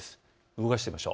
動かしてみましょう。